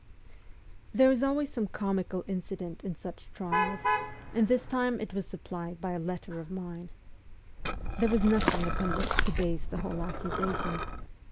There is always some comical incident in such trials, and this time it was supplied by a letter of mine. There was nothing upon which to base the whole accusation.